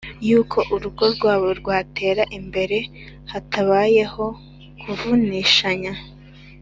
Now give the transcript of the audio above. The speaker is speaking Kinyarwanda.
y’uko urugo rwabo rwatera imbere hatabayeho kuvunishanya.